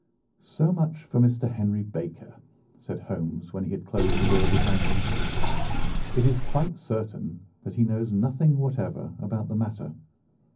"So much for Mr. Henry Baker," said Holmes when he had closed the door behind him. "It is quite certain that he knows nothing whatever about the matter.